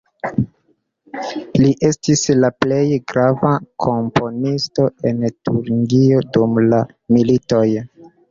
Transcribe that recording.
Li estis la plej grava komponisto en Turingio dum la du militoj.